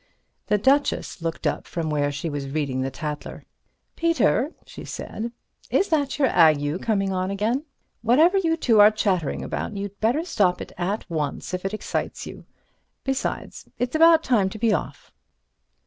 The Duchess looked up from where she was reading the Tatler. "Peter," she said, "is that your ague coming on again? Whatever you two are chattering about, you'd better stop it at once if it excites you. Besides, it's about time to be off."